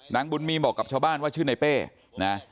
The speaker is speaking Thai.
นางบุญมีบอกกับชาวบ้านว่าชื่อในเป้นะ